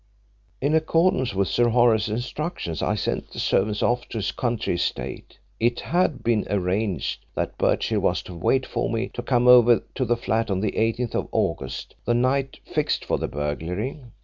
"In accordance with Sir Horace's instructions, I sent the servants off to his country estate. It had been arranged that Birchill was to wait for me to come over to the flat on the 18th of August, the night fixed for the burglary.